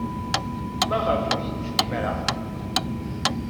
Maɣef ur iyi-d-tennim ara?